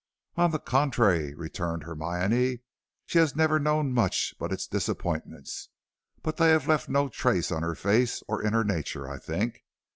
"On the contrary," returned Hermione, "she has never known much but its disappointments. But they have left no trace on her face, or in her nature, I think.